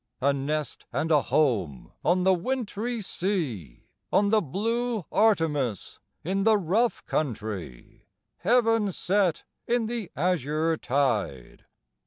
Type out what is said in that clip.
A nest and a home On the wintry sea, On the blue Artemise, In the rough country, Heaven set in the azure tide!